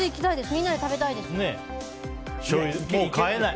みんなで食べたいです。